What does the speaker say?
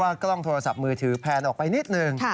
แล้วก็คอมพิวเตอร์โทรศัพท์มือถือแพลนออกไปนิดนึง